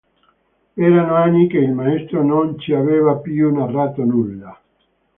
Erano anni che il maestro non ci aveva più narrato nulla.